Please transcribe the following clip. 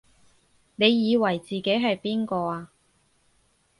你以為自己係邊個啊？